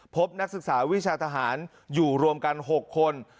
นักศึกษาวิชาทหารอยู่รวมกัน๖คน